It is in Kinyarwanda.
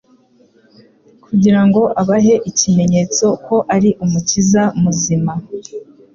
Kugira ngo abahe ikimenyetso ko ari Umukiza muzima,